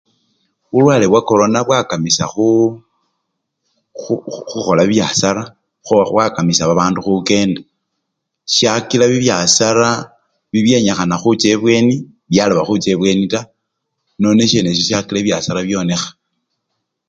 Bulwale bwa-corona bwakamisya khu! khu! khukhola bibyasara khuba khwakamisya babandu khukenda syakila bibyasara bibyenyikha khucha ebweni, byaloba khucha ebweni taa nono sisyenesyo syakila bibyasara byonekha.